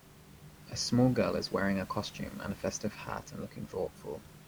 A small girl is wearing a costume and a festive hat and looking thoughtful.